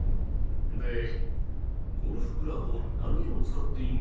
で「ゴルフクラブは何を使っているんだ？